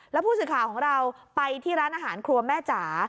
แล้วผู้สื่อข่าวของเราไปที่ร้านอาหารครัวแม่จ๋า